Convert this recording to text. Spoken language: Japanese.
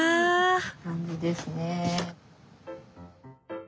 こんな感じですね。